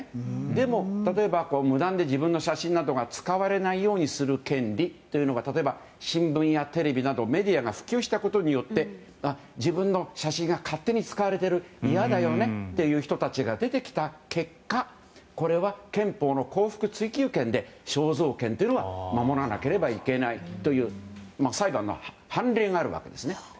でも、例えば無断で自分の写真などが使われないようにする権利というのが例えば、新聞やテレビなどメディアが普及したことにより自分の写真が勝手に使われている嫌だよねという人たちが出てきた結果これは憲法の幸福追求権で肖像権というのは守らなければいけないという裁判の判例があるわけですね。